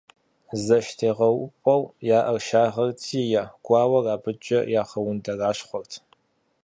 ЗэштегъэупӀэу яӀэр шагъырти, я гуауэр абыкӀэ ягъэундэращхъуэрт.